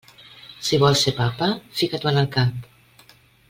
Si vols ser papa, fica-t'ho en el cap.